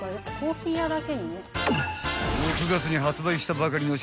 ［６月に発売したばかりの］